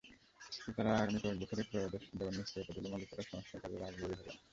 ক্রেতারা আগামী কয়েক বছরের ক্রয়াদেশ দেওয়ার নিশ্চয়তা দিলে মালিকেরা সংস্কারকাজের আগ্রহী হবেন।